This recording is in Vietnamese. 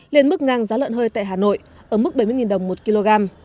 lên mức ngang giá lợn hơi tại hà nội ở mức bảy mươi đồng một kg